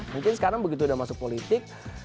mungkin sekarang begitu udah masuk politik